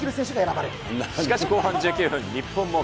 しかし後半１９分。